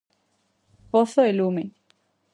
Pozo e lume.